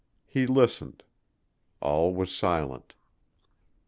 He listened; all was silent.